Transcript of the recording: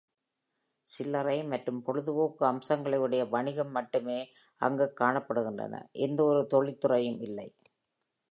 சில்லறை மற்றும் பொழுதுபோக்கு அம்சங்களையுடைய வணிகம் மட்டுமே அங்குக் காணப்படுகின்றன, எந்தவொரு தொழிற்துறையும் இல்லை.